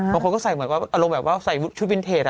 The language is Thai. บางคนก็ใส่เหมือนว่าอารมณ์แบบว่าใส่ชุดวินเทจ